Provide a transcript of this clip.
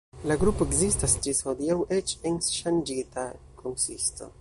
La grupo ekzistas ĝis hodiaŭ eĉ en ŝanĝita konsisto.